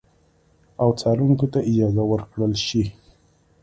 او څارونکو ته اجازه ورکړل شي